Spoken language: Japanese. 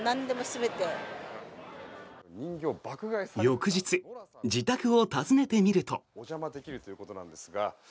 翌日、自宅を訪ねてみると。